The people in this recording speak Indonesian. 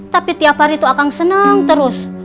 tapi tiap hari tuh akang seneng terus